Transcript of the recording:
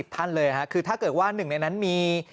๒๕๐ท่านเลยค่ะคือถ้าเกิดว่า๑ในนั้นมี